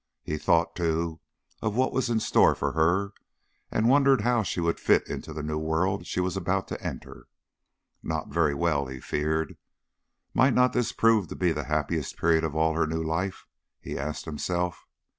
He thought, too, of what was in store for her and wondered how she would fit into the new world she was about to enter. Not very well, he feared. Might not this prove to be the happiest period of all her new life, he asked himself.